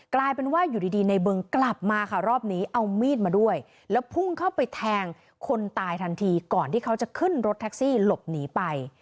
กลายเป็นว่าอยู่ดีในบึงกลับมาค่ะรอบนี้เอามีดมาด้วยแล้วพุ่งเข้าไปแทงคนตายทันทีก่อนที่เขาจะขึ้นรถแท็กซี่หลบหนีไป